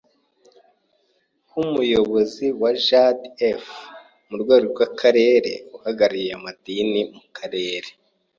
h. Umuyobozi wa JADF ku rwego rw’Akarere; Uhagarariye amadini mu Karere;